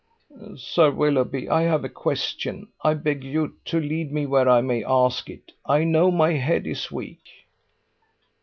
"Sir Willoughby, I have a question. I beg you to lead me where I may ask it. I know my head is weak."